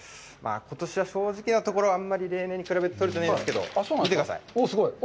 ことしは、正直なところ、あんまり例年に比べて取れてないんですけど、見てください。